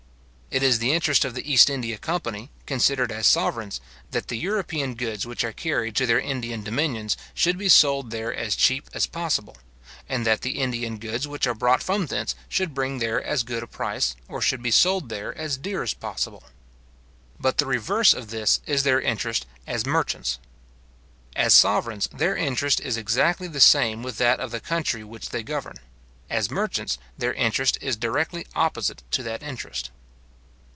It is the interest of the East India company, considered as sovereigns, that the European goods which are carried to their Indian dominions should be sold there as cheap as possible; and that the Indian goods which are brought from thence should bring there as good a price, or should be sold there as dear as possible. But the reverse of this is their interest as merchants. As sovereigns, their interest is exactly the same with that of the country which they govern. As merchants, their interest is directly opposite to that interest.